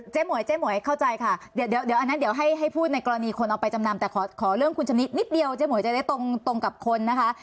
หวยเจ๊หมวยเข้าใจค่ะเดี๋ยวอันนั้นเดี๋ยวให้พูดในกรณีคนเอาไปจำนำแต่ขอเรื่องคุณชำนิดนิดเดียวเจ๊หวยจะได้ตรงกับคนนะคะ